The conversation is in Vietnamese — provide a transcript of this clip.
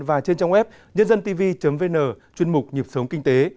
và trên trang web nhândântv vn chuyên mục nhịp sống kinh tế